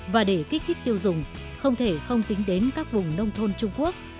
và để kích thích tiêu dùng không thể không tính đến các vùng nông thôn trung quốc